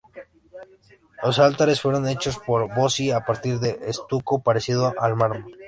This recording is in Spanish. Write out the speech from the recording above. Los altares fueron hechos por Bossi a partir de estuco parecido al mármol.